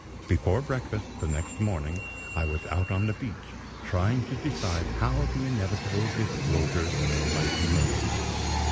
Before breakfast the next morning I was out on the beach, trying to decide how the inevitable disclosure might be made.